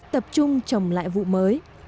tập trung trồng lại vụ mới